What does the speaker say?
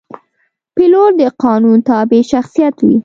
پیلوټ د قانون تابع شخصیت وي.